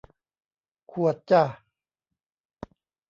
ขวดจ้ะ